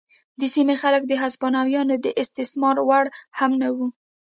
د سیمې خلک د هسپانویانو د استثمار وړ هم نه وو.